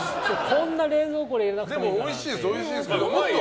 こんな冷蔵庫に入れなくてもいいなって。